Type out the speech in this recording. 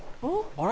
あれ？